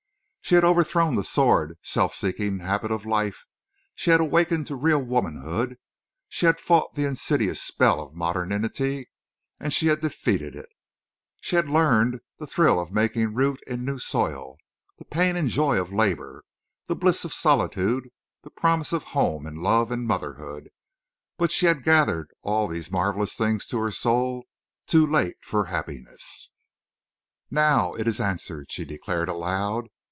She had overthrown the sordid, self seeking habit of life; she had awakened to real womanhood; she had fought the insidious spell of modernity and she had defeated it; she had learned the thrill of taking root in new soil, the pain and joy of labor, the bliss of solitude, the promise of home and love and motherhood. But she had gathered all these marvelous things to her soul too late for happiness. "Now it is answered," she declared aloud.